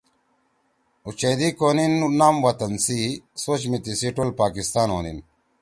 اُوچیدی کونِین نام و تَن سی۔ سوچ می تِیسی ٹول پاکِستان ہونین۔